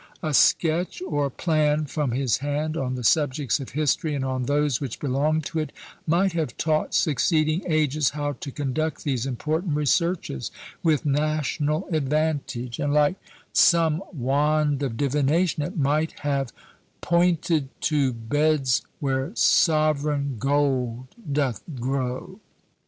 A sketch or plan from his hand, on the subjects of history, and on those which belonged to it, might have taught succeeding ages how to conduct these important researches with national advantage; and, like some wand of divination, it might have Pointed to beds where sovereign gold doth grow.